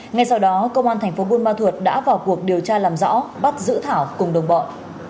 ngay sau đó công an thành phố buôn ma thuột đã vào cuộc điều tra làm rõ bắt giữ thảo cùng đồng bọn